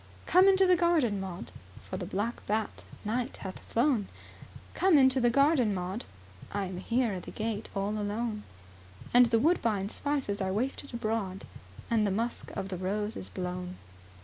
"Come into the garden, Maud, For the black bat, night, hath flown, Come into the garden, Maud, I am here at the gate alone; And the woodbine spices are wafted abroad, And the musk of the rose is blown."